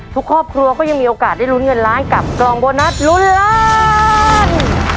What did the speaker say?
ทุกครอบครัวก็ยังมีโอกาสได้ลุ้นเงินล้านกับกล่องโบนัสลุ้นล้าน